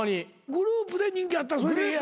グループで人気あったらそれでええ。